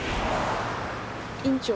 院長。